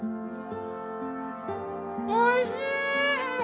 おいしい！